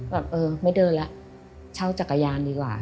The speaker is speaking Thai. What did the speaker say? แบบเออไม่เดินแล้วเช่าจักรยานดีกว่า